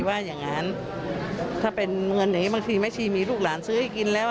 บางทีแม่ชีมีลูกหลานซื้อให้กินแล้ว